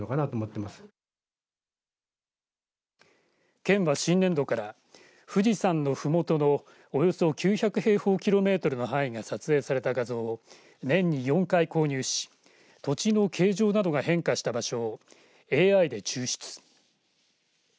県は新年度から富士山のふもとのおよそ９００平方キロメートルの範囲が撮影された画像を年に４回購入し土地の形状などが変化した場所をＡＩで抽出。